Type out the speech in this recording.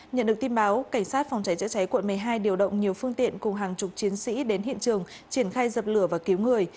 nhận được tin báo cảnh sát phòng cháy chữa cháy quận một mươi hai điều động nhiều phương tiện cùng hàng chục chiến sĩ đến hiện trường triển khai dập lửa và cứu người